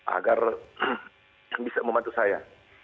agar bisa membantu saya